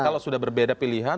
kalau sudah berbeda pilihan